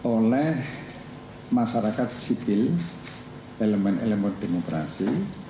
oleh masyarakat sipil elemen elemen demokrasi